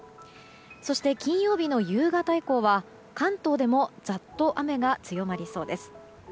そして、金曜日の夕方以降は関東でもざっと雨が強まりそうです。